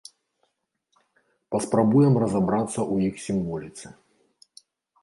Паспрабуем разабрацца ў іх сімволіцы.